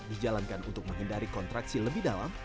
dijalankan untuk menghindari kontraksi lebih dalam